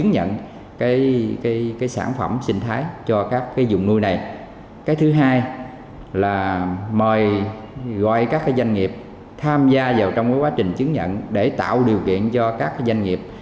ngoài các doanh nghiệp tham gia vào trong quá trình chứng nhận để tạo điều kiện cho các doanh nghiệp